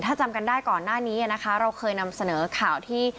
ถ้าจำกันได้ก่อนหน้านี้นะคะเราเคยนำเสนอข่าวที่